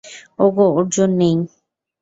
ওগো, অর্জুন নেই!